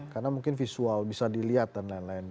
karena mungkin visual bisa dilihat dan lain lain